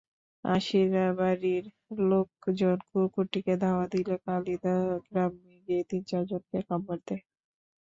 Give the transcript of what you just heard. আশিরাবাড়ির লোকজন কুকুরটিকে ধাওয়া দিলে কালিয়াদহ গ্রামে গিয়ে তিন-চারজনকে কামড় দেয়।